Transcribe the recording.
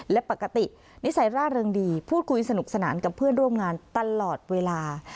และปกตินิสัยร่าเริงดีพูดคุยสนุกสนานกับเพื่อนร่วมงานตลอดเวลา